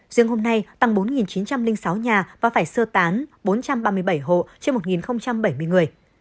riêng hôm nay tăng bốn chín trăm linh sáu nhà và phải sơ tán bốn trăm ba mươi bảy hộ trên một bảy mươi người